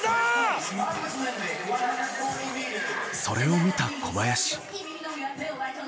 それを見た小林。